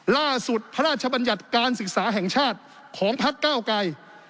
พระราชบัญญัติการศึกษาแห่งชาติของพักเก้าไกร